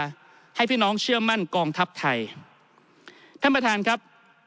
ให้พี่น้องเชื่อมั่นกองทัพไทยท่านประธานครับ